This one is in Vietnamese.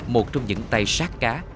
một trong những tay sát cá